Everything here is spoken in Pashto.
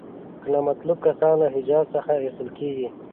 که نامطلوب کسان له حجاز څخه ایستل کیږي.